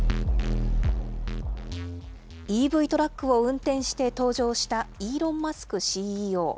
ＥＶトラックを運転して登場したイーロン・マスクＣＥＯ。